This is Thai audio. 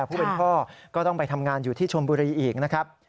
ผู้เป็นพ่อก็ต้องไปทำงานอยู่ที่ชนบุรีอีกนะครับ